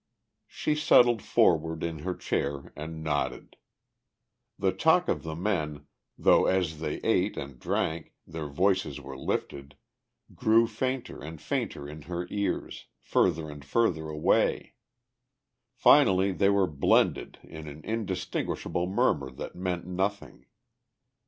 She settled forward in her chair and nodded. The talk of the men, though as they ate and drank their voices were lifted, grew fainter and fainter in her ears, further and further away. Finally they were blended in an indistinguishable murmur that meant nothing....